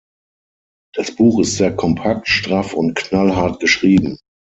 Das Buch ist sehr kompakt, straff und knallhart geschrieben.